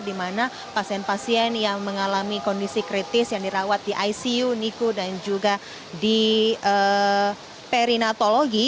di mana pasien pasien yang mengalami kondisi kritis yang dirawat di icu niku dan juga di perinatologi